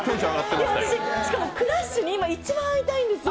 私しかもクラッシュに今一番会いたいんですよ。